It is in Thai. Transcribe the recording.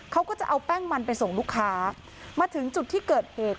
เขาก็จะเอาแป้งมันไปส่งลูกค้ามาถึงจุดที่เกิดเหตุ